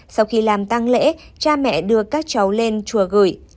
sau khi làm tăng lễ cha mẹ đưa các cháu lên chùa gửi